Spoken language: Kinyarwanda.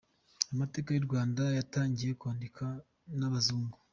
Amateka y’u Rwanda yatangiye kwandikwa n’abazungu.